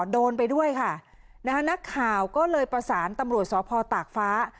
โดนไปด้วยค่ะนะฮะนักข่าวก็เลยประสานตำรวจสพตากฟ้า